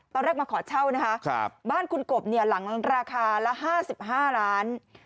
ตอนแรกมาขอเช่านะคะบ้านคุณกบเนี่ยหลังราคาละ๕๕ล้าน